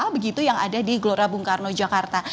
begitu yang ada di gelora bung karno jakarta